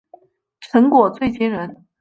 成果最惊人